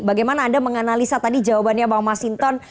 bagaimana anda menganalisa tadi jawabannya bang mas hinton